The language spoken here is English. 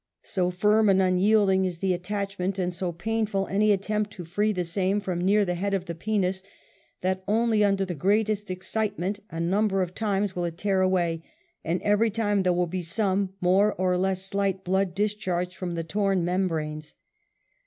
So firm and unyielding is the attachment, and so painful any attempt to free the same from near the head of the penis, that only under the greatest ex citement, a number of times, will it tear away, and every time there will be some, more or less slight, blood discharged from the torn membranes.